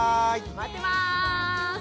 待ってます。